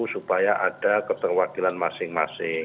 supaya ada keterwakilan masing masing